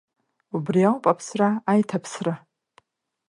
Убри ауп аԥсра аиҭаԥсра.